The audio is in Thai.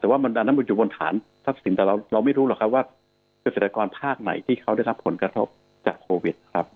ว่าเศรษฐกรภาคไหนที่เขาได้รับผลกระทบจากโควิดครับ